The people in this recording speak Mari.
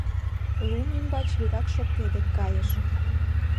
Лум ӱмбач вигак шопке дек кайыш.